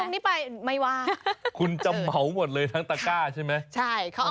ต้องเหนื่อยด้วยใช่ไหม